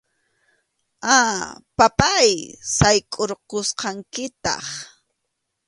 A, papáy, saykʼurqusqankitaq.